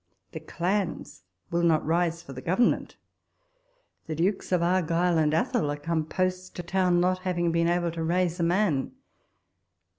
The clans will not rise for the Government : the Dukes of Argyll and Athol are come post to town, not having been able to raise a man.